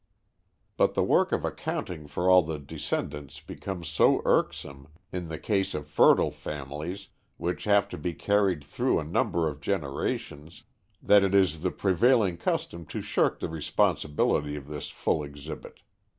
But the work of accounting for all the descendants becomes so irksome, in the case of fertile families, which have to be carried through a number of generations, that it is the prevailing custom to shirk the responsibility of this full exhibit.